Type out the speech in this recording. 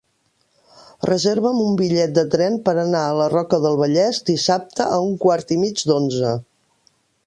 Reserva'm un bitllet de tren per anar a la Roca del Vallès dissabte a un quart i mig d'onze.